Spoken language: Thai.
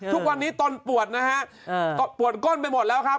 ทุกวันนี้ตนปวดนะฮะปวดก้นไปหมดแล้วครับ